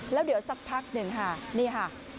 แล้วเดี๋ยวสักพักหนึ่งค่ะนี่ค่ะ